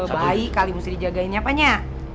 bayi kali mesti dijagainya paknya